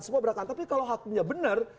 semua beratakan tapi kalau hakunya benar